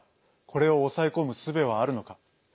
これを抑え込むすべはあるのか。